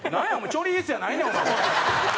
「チョリース」やないねん！